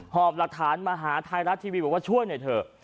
หอบหลักฐานมาหาไทยรัฐทีวีบอกว่าช่วยหน่อยเถอะ